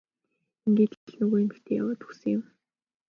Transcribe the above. Ингээд л нөгөө эмэгтэй яваад өгсөн юм.